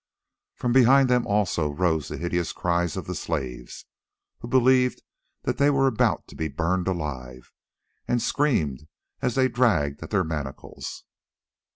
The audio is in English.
From behind them also rose the hideous cries of the slaves, who believed that they were about to be burned alive, and screamed as they dragged at their manacles.